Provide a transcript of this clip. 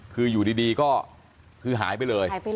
คืออยู่ดีก็คือหายไปเลย